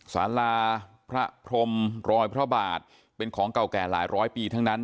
สาราพระพรมรอยพระบาทเป็นของเก่าแก่หลายร้อยปีทั้งนั้น